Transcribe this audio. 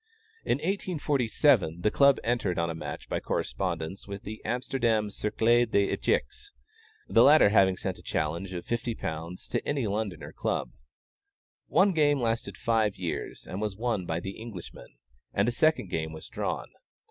In 1847, the Club entered on a match by correspondence with the Amsterdam Cercle des Echecs, the latter having sent a challenge of £50 to any London club. One game lasted five years, and was won by the Englishmen, and a second game was drawn.